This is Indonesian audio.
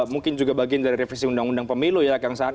mungkin juga bagian dari revisi undang undang pemilu ya kang saan